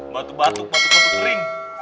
batuk batuk batuk batuk kering